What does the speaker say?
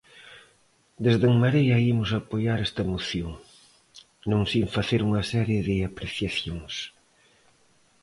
Dende En Marea imos apoiar esta moción, non sen facer unha serie de apreciacións.